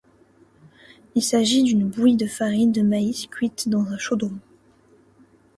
Il s'agit d'une bouillie de farine de maïs cuite dans un chaudron.